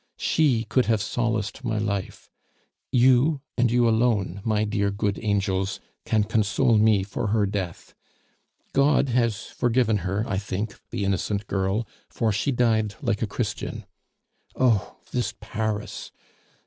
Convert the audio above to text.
She could have solaced my life; you, and you alone, my dear good angels, can console me for her death. God has forgiven her, I think, the innocent girl, for she died like a Christian. Oh, this Paris!